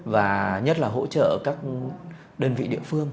và nhất là hỗ trợ các đơn vị địa phương